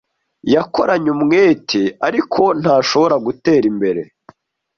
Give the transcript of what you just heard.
Yakoranye umwete, ariko ntashobora gutera imbere.